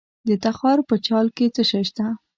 د تخار په چال کې څه شی شته؟